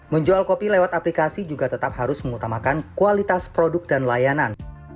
menjual kopi lewat aplikasi juga tetap harus mengutamakan kualitas produk dan layanan